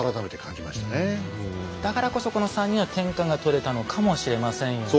だからこそこの３人は天下が取れたのかもしれませんよね。